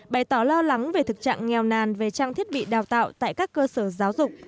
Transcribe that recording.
bày tỏ lo lắng về thực trạng nghèo nàn về trang thiết bị đào tạo tại các cơ sở giáo dục